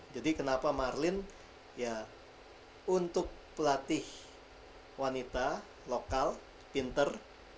jadi kenapa marlin ya untuk pelatih wanita lokal pinter